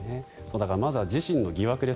だからまずは自身の疑惑です。